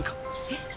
えっ？